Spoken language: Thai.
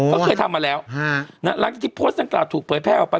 เขาเคยทำมาแล้วแล้วที่ทิพพที่ทุกข์เผยแพร่ออกไป